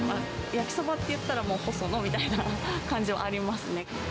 焼きそばっていったら、もうほそのみたいな感じはありますね。